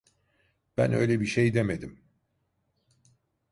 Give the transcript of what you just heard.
Ben öyle bir şey demedim.